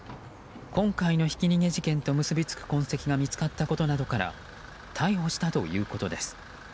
今回のひき逃げ事件と結びつく痕跡が見つかったことなどから逮捕したということです。